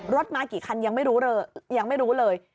รถมากี่คันยังไม่รู้เลย